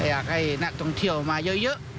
อยากให้นักท่องเที่ยวมาเยอะ